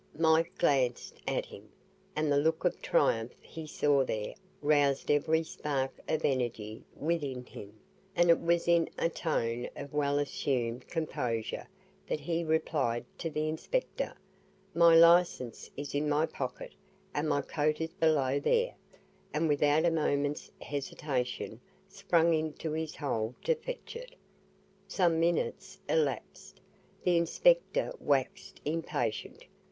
Mike glanced at him, and the look of triumph he saw there roused every spark of energy within him, and it was in a tone of well assumed composure that he replied to the inspector, "My licence is in my pocket, and my coat is below there;" and without a moment's hesitation sprang into his hole to fetch it. Some minutes elapsed. The inspector waxed impatient.